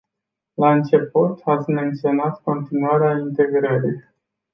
La început, ați menționat continuarea integrării.